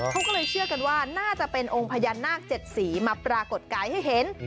เขาก็เลยเชื่อกันว่าน่าจะเป็นองค์พญานาค๗สีมาปรากฏกายให้เห็น